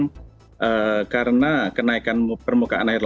jadi memang dulunya semarang itu adalah laut yang kemudian ada sedimentasi dari aluvial